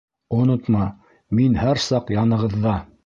Онотма — мин һәр саҡ янығыҙҙа...